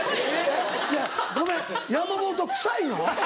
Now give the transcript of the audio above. いやごめん山本臭いの？